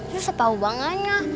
susah tahu bangannya